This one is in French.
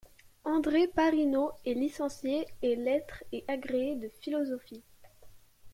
André Parinaud est licencié ès lettres et agrégé de philosophie.